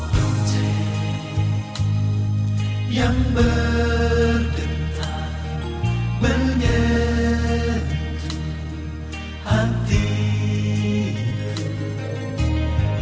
kecil yang berdentang menyentuh hatiku